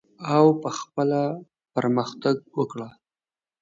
او په خپله پرمختګ وکړه.